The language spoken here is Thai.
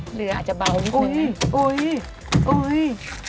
เหลืออาจจะเบาอุ้ย